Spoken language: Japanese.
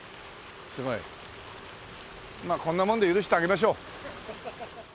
まあこんなもんで許してあげましょう。